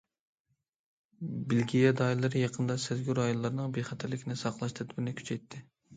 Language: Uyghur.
بېلگىيە دائىرىلىرى يېقىندا سەزگۈر رايونلارنىڭ بىخەتەرلىكىنى ساقلاش تەدبىرىنى كۈچەيتتى.